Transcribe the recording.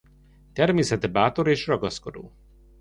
Természete bátor és ragaszkodó.